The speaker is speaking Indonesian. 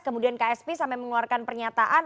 kemudian ksp sampai mengeluarkan pernyataan